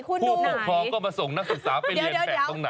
คุณดูภูมิพร้อมก็มาส่งนักศึกษาไปเรียนแปลกตรงไหน